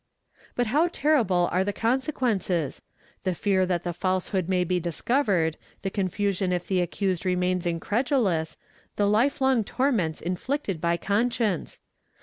But how terrible are the consequences? the fear that the falsehoot may be discovered, the confusion if the accused remains incredulous, th life long torments inflicted by conscience!